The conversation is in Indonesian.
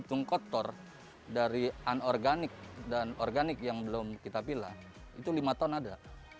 hitung kotor dari anorganik dan organik yang belum kita pilih itu lima ton ada